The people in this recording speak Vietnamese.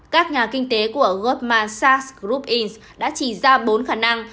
các nhà kinh tế của goldman sachs group inc đã chỉ ra bốn khả năng